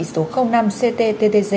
số năm ctttg